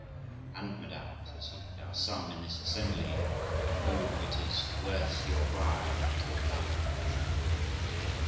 'And, madam', says he, 'there are some in this assembly who it is worth your while to oblige.'